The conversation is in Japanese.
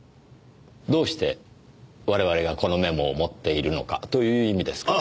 どうして我々がこのメモを持っているのかという意味ですか？